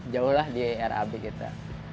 jauh lah di rab kita